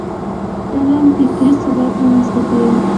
علم فکري ثبات رامنځته کوي.